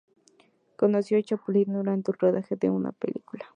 Conoció a Chaplin durante un rodaje de una película.